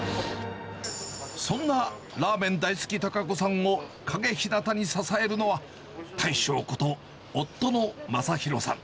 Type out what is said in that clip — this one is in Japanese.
そんなラーメン大好き多賀子さんを陰ひなたに支えるのは、大将こと、夫の正弘さん。